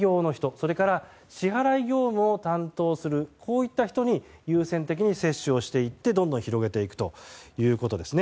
それから、支払業務を担当するこういった人に優先的に接種をしていってどんどん広げていくということですね。